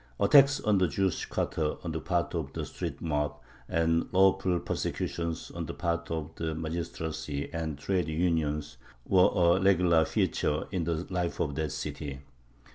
Attacks on the Jewish quarter on the part of the street mob and "lawful" persecutions on the part of the magistracy and trade unions were a regular feature in the life of that city.